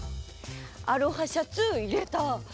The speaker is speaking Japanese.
アロハシャツいれた。